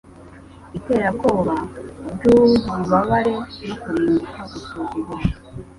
Iterabwoba ry'ububabare no kurimbuka gusuzugura,